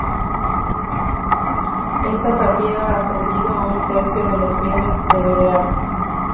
Estas habría ascendido a un tercio de los bienes Devereux.